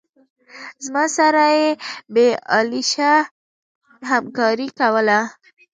زما سره یې بې آلایشه همکاري کوله.